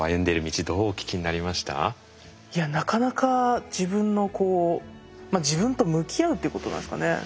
いやなかなか自分のこう自分と向き合うってことなんですかね。